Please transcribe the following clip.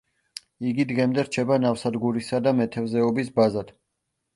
იგი დღემდე რჩება ნავსადგურისა და მეთევზეობის ბაზად.